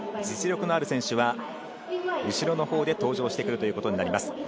実力のある選手は後ろのほうで登場してくるということです。